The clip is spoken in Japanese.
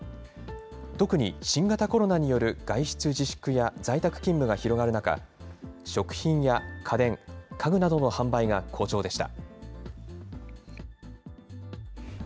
特に新型コロナによる外出自粛や在宅勤務が広がる中、食品や家電、家具などの販売が好調でした。